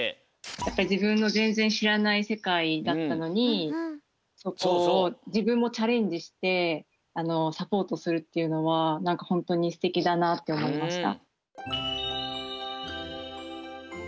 やっぱりじぶんのぜんぜんしらないせかいだったのにそこをじぶんもチャレンジしてサポートするっていうのはなんかホントにすてきだなっておもいました。